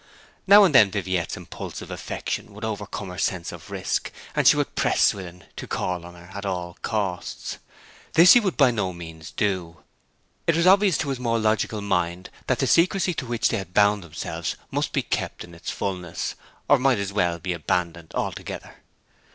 Now and then Viviette's impulsive affection would overcome her sense of risk, and she would press Swithin to call on her at all costs. This he would by no means do. It was obvious to his more logical mind that the secrecy to which they had bound themselves must be kept in its fulness, or might as well be abandoned altogether.